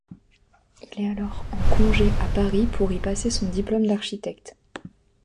Il est alors en congés à Paris pour y passer son diplôme d'architecte.